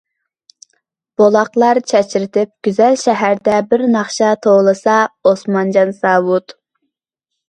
بۇلاقلار چاچرىتىپ گۈزەل شەھەردە، بىر ناخشا توۋلىسا ئوسمانجان ساۋۇت.